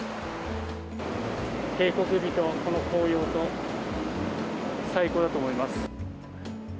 渓谷美とこの紅葉と、最高だと思います。